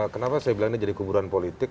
kenapa saya bilang ini jadi kuburan politik